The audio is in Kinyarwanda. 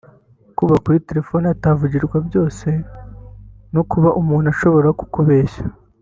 kuba kuri tefoni hatavugirwa byose no kuba umuntu ashobora kukubeshya